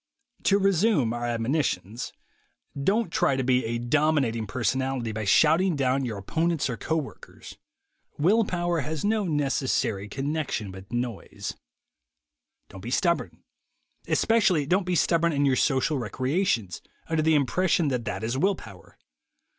To resume our admonitions. Don't try to be a THE WAY TO WILL POWER 155 "dominating personality" by shouting down your opponents or co workers. Will power has no neces sary connection with noise. Don't be stubborn. Especially don't be stubborn in your social recreations, under the impression that that is will power.